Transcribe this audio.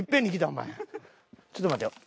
ちょっと待ってよ。